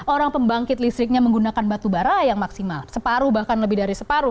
orang pembangkit listriknya menggunakan batu bara yang maksimal separuh bahkan lebih dari separuh